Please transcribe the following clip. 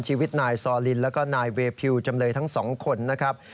ชีวิตนายซอลินแล้วก็นายเวพิวจำเลยทั้งสองคนนะครับ